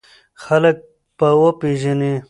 خلک به وپېژنې!